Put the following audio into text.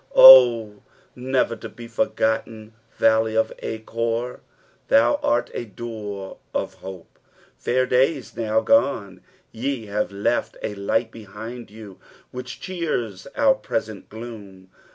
Oh, never to be for^tten valley of Achor, ' thou art a door of nope ! Fair days, now gone, ye have left a light behind you which cheere our present gloom.